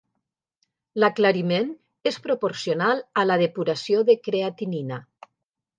L'aclariment és proporcional a la depuració de creatinina.